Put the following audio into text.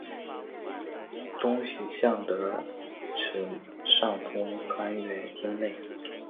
东西向的池上通穿越町内。